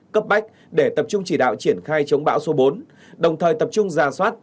cấp bách để tập trung chỉ đạo triển khai chống bão số bốn đồng thời tập trung ra soát